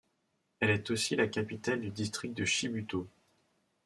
Elle est aussi la capitale du district de Chibuto.